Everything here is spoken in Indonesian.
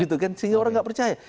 sehingga orang tidak percaya